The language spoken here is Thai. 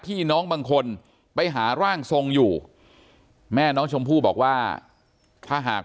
พี่น้องบางคนไปหาร่างทรงอยู่แม่น้องชมพู่บอกว่าถ้าหาก